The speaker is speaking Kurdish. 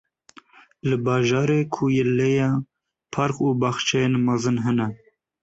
Li bajarê ku lê ye, park û baxçeyên mezin hene.